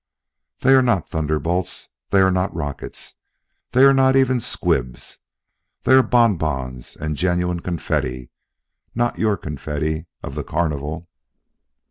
They are not thunderbolts, they are not rockets, they are not even squibs; they are bonbons and genuine confetti, not your confetti of the Carnival.